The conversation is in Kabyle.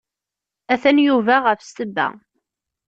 Atan Yuba ɣef ssebba.